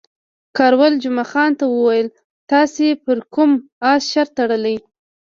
کراول جمعه خان ته وویل، تاسې پر کوم اس شرط تړلی؟